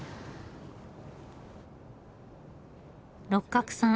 六角さん